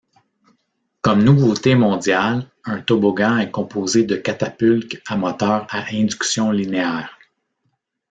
Comme nouveauté mondiale, un toboggan est composé de catapultes à moteurs à induction linéaire.